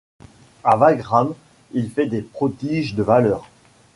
A Wagram, il fait des prodiges de valeur.